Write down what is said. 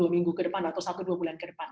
dua minggu ke depan atau satu dua bulan ke depan